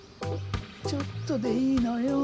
ちょっとでいいのよ。